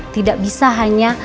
tidak bisa hanya